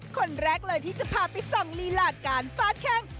คนแรกเลยที่จะพาไปส่องลีลาการฟาดแข้ง